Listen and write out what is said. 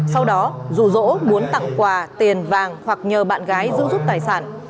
sau đó dù dỗ muốn tặng quà tiền vàng hoặc nhờ bạn gái giữ giúp tài sản